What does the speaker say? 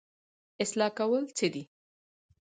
اصلاح کول څه دي؟